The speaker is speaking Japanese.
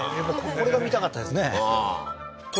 これが見たかったですね